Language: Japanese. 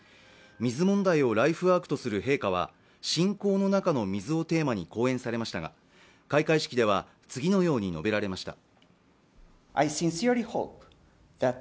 水問題をライフワークとする陛下は、「信仰の中の水」をテーマに講演されましたが、開会式では次のように述べられました。